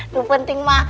tuh penting ma